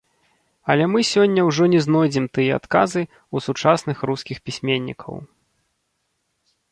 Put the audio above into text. Але мы сёння ўжо не знойдзем тыя адказы у сучасных рускіх пісьменнікаў.